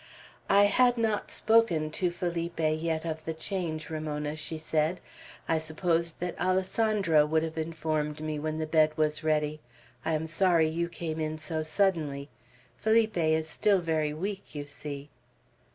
"I had not spoken to Felipe yet of the change, Ramona," she said. "I supposed that Alessandro would have informed me when the bed was ready; I am sorry you came in so suddenly. Felipe is still very weak, you see."